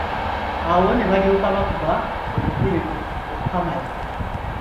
Awo ne balyoka bakuba obukule okukamala!